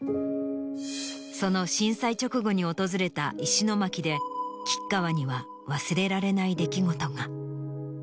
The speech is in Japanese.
その震災直後に訪れた石巻で吉川には忘れられない出来事が。